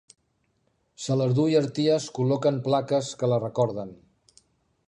Salardú i Arties col·loquen plaques que la recorden.